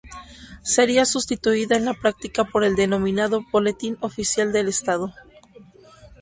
Sería sustituida en la práctica por el denominado "Boletín Oficial del Estado".